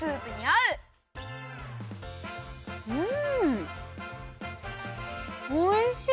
うん！